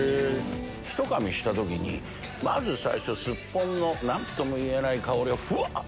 ひとかみした時にまず最初スッポンの何とも言えない香りがふわっ！